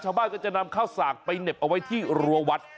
ชาวบ้านก็จะนำข้าวสากไปเหน็บเอาไว้ที่รัววัด